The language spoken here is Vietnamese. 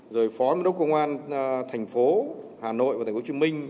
rồi phó giám đốc công an thành phố hà nội và thành phố hồ chí minh